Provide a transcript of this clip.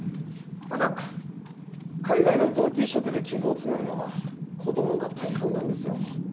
ただ海外の臓器移植で寄付を募るのは子供が大半なんですよ。